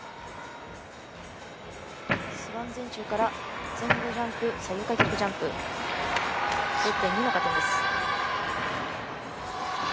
スワン前宙から、前後ジャンプ左右開脚ジャンプ、０．２の加点です。